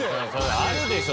あるでしょ